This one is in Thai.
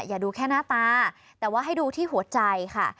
อย่าดูแค่หน้าตาแต่ว่าให้ดูที่หัวใจค่ะ